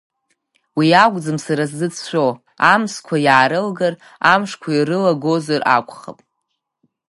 Уи акәӡам сара сзыцәшәо, амзақәа иаарылгар, амшқәа ирылагозар акәхап…